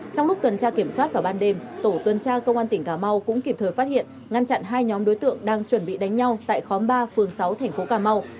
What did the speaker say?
trong lúc tuần tra kiểm soát vào ban đêm tổ tuần tra công an tỉnh cà mau cũng kịp thời phát hiện ngăn chặn hai nhóm đối tượng đang chuẩn bị đánh nhau tại khóm ba phường sáu thành phố cà mau